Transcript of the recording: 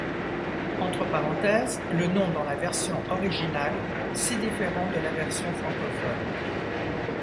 Entre parenthèse, le nom dans la version originale, si différent de la version francophone.